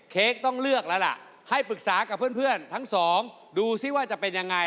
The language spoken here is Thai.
เค้กต้องเลือกแล้วล่ะให้ปรึกษากับเพื่อนทั้งสองดูซิว่าจะเป็นยังไง